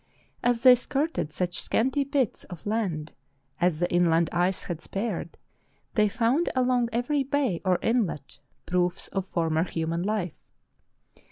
As they skirted such scanty bits of land as the inland ice had spared, they found along every bay or inlet proofs of former human life.